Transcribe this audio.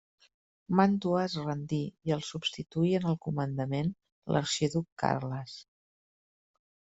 Màntua es rendí i el substituí en el comandament l'arxiduc Carles.